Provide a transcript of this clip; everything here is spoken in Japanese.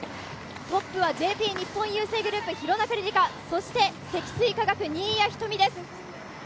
トップはＪＰ日本郵政グループ廣中璃梨佳、そして積水化学・新谷仁美です。